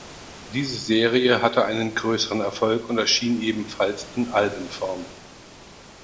Diese Serie hatte einen größeren Erfolg und erschien ebenfalls in Albenform.